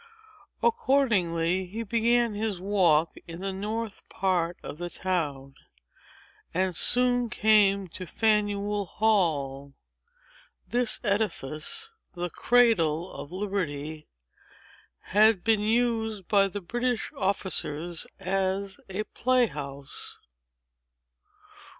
Accordingly, he began his walk in the north part of the town, and soon came to Faneuil Hall. This edifice, the cradle of liberty, had been used by the British officers as a play house.